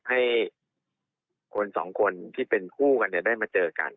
ให้คนสองคนที่เป็นคู่กันได้มาเจอกัน